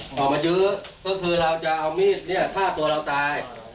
ออกมายื้อก็คือเราจะเอามีดเนี่ยฆ่าตัวเราตาย